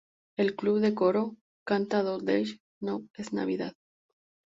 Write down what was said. El club de coro canta "Do They Know Es Navidad?